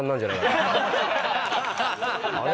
「あれ？」